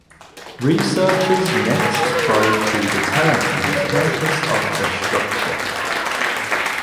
Researchers next tried to determine the purpose of the structure.